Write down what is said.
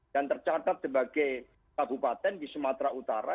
dan tercatat sebagai kabupaten di sumatera utara